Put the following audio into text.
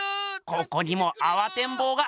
ここにもあわてんぼうが。